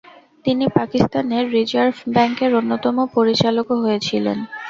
তিনি পাকিস্তানের রিজার্ভ ব্যাংকের অন্যতম পরিচালকও হয়েছিলেন।